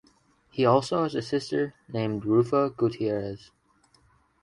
He also has a sister, named Ruffa Gutierrez.